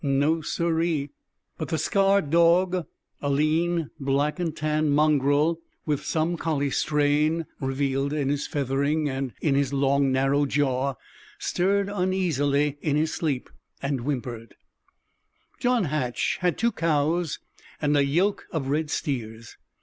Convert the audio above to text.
No, sir ee!" But the scarred dog, a lean black and tan mongrel, with some collie strain revealed in his feathering and in his long, narrow jaw, stirred uneasily in his sleep and whimpered. John Hatch had two cows and a yoke of red steers.